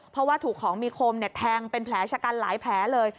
เพราะว่าถูกของมีคมแทงเป็นแผลชะกันหลายแผลเลย